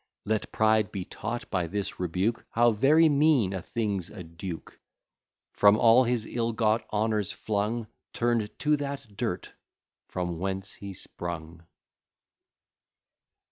Let Pride be taught by this rebuke, How very mean a thing's a duke; From all his ill got honours flung, Turn'd to that dirt from whence he sprung.